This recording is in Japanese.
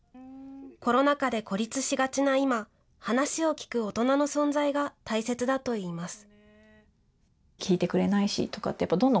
コロナ禍で孤立しがちな今、話を聞く大人の存在が大切だといいます。